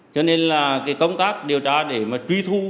cho nên là cái công tác điều tra để mà truy thu